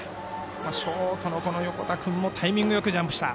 ショートの横田君もタイミングよくジャンプした。